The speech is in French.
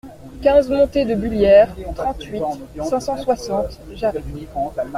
quinze montée de Bullières, trente-huit, cinq cent soixante, Jarrie